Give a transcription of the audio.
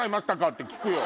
って聞くよ。